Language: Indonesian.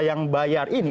yang bayar ini